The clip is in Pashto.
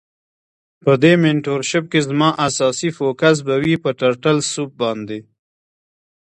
په دی مینټور شیپ کی زما اساسی فوکس به وی په ټرټل سوپ باندی.